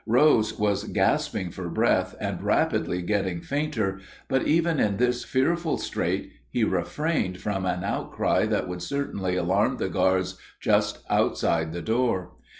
Rose was gasping for breath and rapidly getting fainter, but even in this fearful strait he refrained from an outcry that would certainly alarm the guards just outside the door.